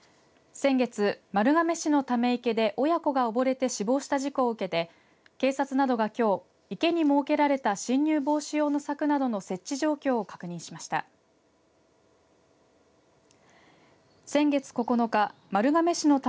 先月、丸亀市のため池で親子がおぼれて死亡した事故を受けて警察がきょう池に設けられた進入防止用の柵などの設置状況を確認しました。